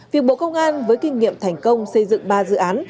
việc bộ công an với kinh nghiệm thành công xây dựng ba dự án